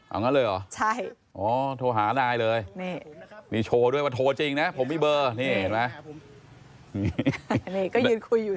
เอาอย่างนั้นเลยเหรอโทรหานายเลยโทรจริงนะผมมีเบอร์นี่เห็นมั้ย